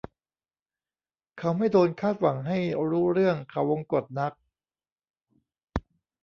เขาไม่โดนคาดหวังให้รู้เรื่องเขาวงกตนัก